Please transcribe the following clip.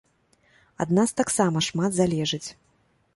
Ад нас таксама шмат залежыць.